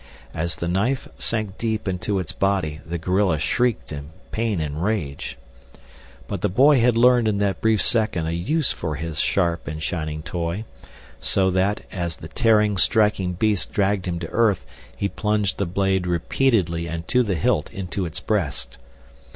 As the knife sank deep into its body the gorilla shrieked in pain and rage. But the boy had learned in that brief second a use for his sharp and shining toy, so that, as the tearing, striking beast dragged him to earth he plunged the blade repeatedly and to the hilt into its breast.